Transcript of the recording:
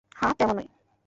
হ্যাঁ, তেমনই।